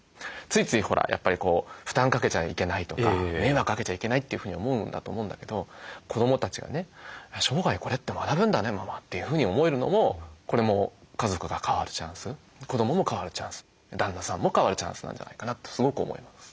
ついついほらやっぱり負担かけちゃいけないとか迷惑かけちゃいけないというふうに思うんだと思うんだけど子どもたちがね「生涯これって学ぶんだねママ」というふうに思えるのもこれも家族が変わるチャンス子どもも変わるチャンス旦那さんも変わるチャンスなんじゃないかなとすごく思います。